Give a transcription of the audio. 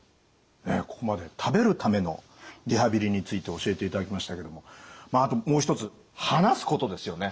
ここまで食べるためのリハビリについて教えていただきましたけどもまああともう一つ話すことですよね。